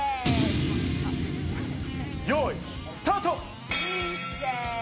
よい、スタート！